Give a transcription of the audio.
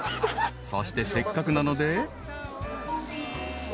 ［そしてせっかくなので］